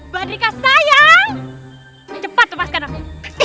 badrika sayang cepat lepaskan aku